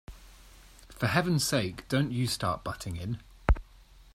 For heaven's sake, don't you start butting in.